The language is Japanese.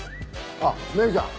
あっメグちゃん